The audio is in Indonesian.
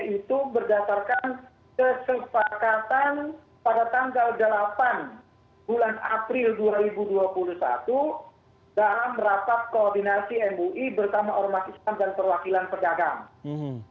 itu berdasarkan kesepakatan pada tanggal delapan bulan april dua ribu dua puluh satu dalam rapat koordinasi mui bersama ormas islam dan perwakilan pedagang